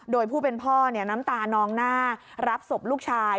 โดยผู้เป็นพ่อน้ำตานองหน้ารับศพลูกชาย